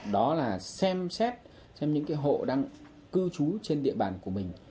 đó là xem xét xem những hộ đang cư trú trên địa bàn của mình